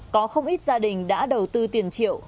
có không ít gia đình đã đầu tư tiền triệu